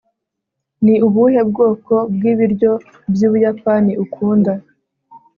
ni ubuhe bwoko bw'ibiryo by'ubuyapani ukunda